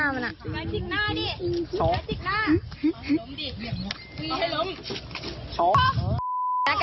มึงจะนี่แหละกันป่ะ